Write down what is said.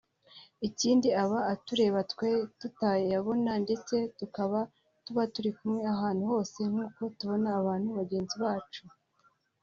ikindi aba atureba twe tutayabona ndetse tukaba tuba turi kumwe ahantu hose nk’uko tubona abantu bagenzi bacu